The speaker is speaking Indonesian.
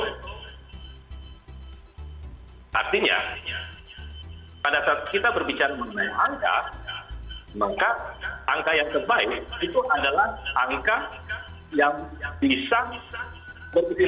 tentunya kita berharap semua yang terbaik di tahun dua lima enam tahun ini